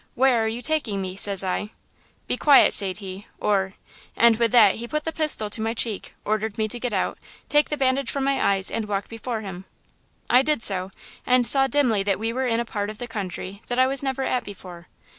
"'Where are you taking me?' says I. "'Be quiet,' sayd he, 'or'–And with that he put the pistil to my cheek, ordered me to get out, take the bandage from my eyes and walk before him. I did so and saw dimly that we were in a part of the country that I was never at before.